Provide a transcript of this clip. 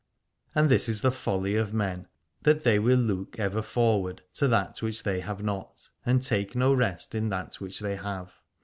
And this is the folly of men that they will look ever forward to that which they have not, and take no rest in that which they have.